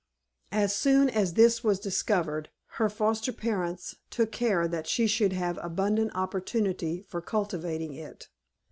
As soon as this was discovered, her foster parents took care that she should have abundant opportunity for cultivating it.